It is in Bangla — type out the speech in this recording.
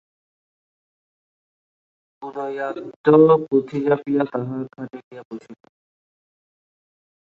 উদয়াদিত্য পুঁথি ঝাঁপিয়া তাঁহার খাটে গিয়া বসিলেন।